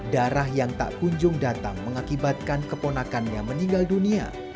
darah yang tak kunjung datang mengakibatkan keponakannya meninggal dunia